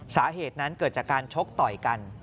สาเหตุนั้นเกิดจากการชกต่อยกัน